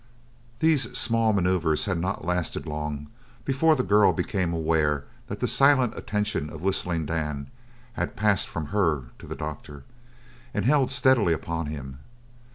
These small maneuvres had not lasted long before the girl became aware that the silent attention of Whistling Dan had passed from her to the doctor and held steadily upon him.